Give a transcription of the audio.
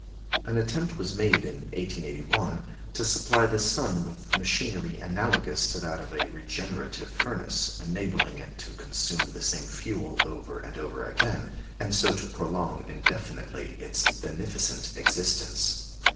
An attempt was made in 1881 to supply the sun with machinery analogous to that of a regenerative furnace, enabling it to consume the same fuel over and over again, and so to prolong indefinitely its beneficent existence.